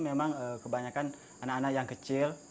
memang kebanyakan anak anak yang kecil